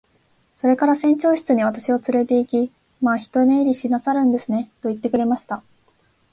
それから船長室に私をつれて行き、「まあ一寝入りしなさるんですね。」と言ってくれました。